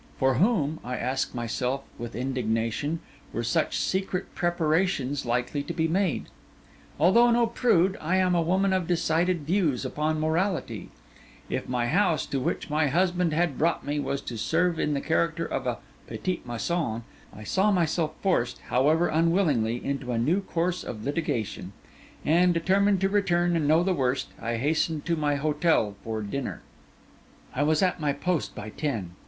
For whom, I asked myself with indignation, were such secret preparations likely to be made? Although no prude, I am a woman of decided views upon morality; if my house, to which my husband had brought me, was to serve in the character of a petite maison, I saw myself forced, however unwillingly, into a new course of litigation; and, determined to return and know the worst, I hastened to my hotel for dinner. I was at my post by ten.